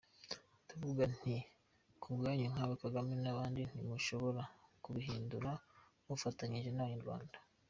Ndavuga nti kubwanyu, nkawe Kagame n’abandi ntimushobora kubihindura mudafatanyije n’Abanyarwanda.